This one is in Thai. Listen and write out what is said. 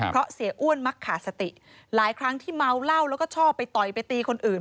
เพราะเสียอ้วนมักขาดสติหลายครั้งที่เมาเหล้าแล้วก็ชอบไปต่อยไปตีคนอื่น